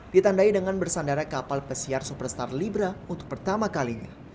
ditandai dengan bersandara kapal pesiar superstar libra untuk pertama kalinya